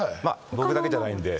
僕だけじゃないんで。